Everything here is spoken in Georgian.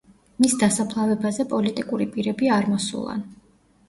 მის დასაფლავებაზე პოლიტიკური პირები არ მოსულან.